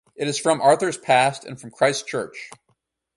It is from Arthur's Pass and from Christchurch.